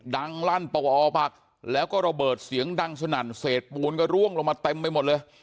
ลั่นป่อผักแล้วก็ระเบิดเสียงดังสนั่นเศษปูนก็ร่วงลงมาเต็มไปหมดเลย